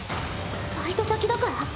バイト先だから？